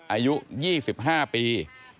อายุ๒๕ปี